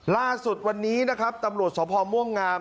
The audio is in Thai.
ล่าสุดวันนี้นะครับตำรวจสพม่วงงาม